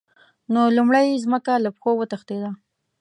نو لومړی یې ځمکه له پښو وتښتېده.